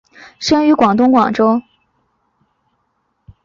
生于广东广州。